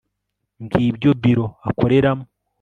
Ngibyo biro akoreramo